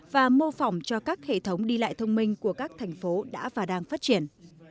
và mô phỏng cho các hệ thống đi lại thông minh của các thành phố đã và đang phát triển